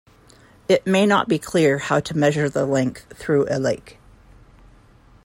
It may not be clear how to measure the length through a lake.